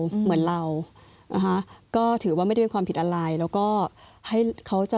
เหมือนเรานะคะก็ถือว่าไม่ได้เป็นความผิดอะไรแล้วก็ให้เขาจะ